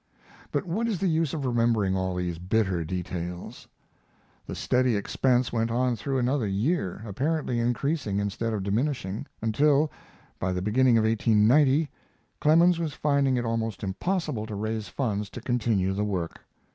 But what is the use of remembering all these bitter details? The steady expense went on through another year, apparently increasing instead of diminishing, until, by the beginning of 1890, Clemens was finding it almost impossible to raise funds to continue the work.